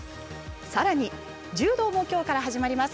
さらに、柔道もきょうから始まります。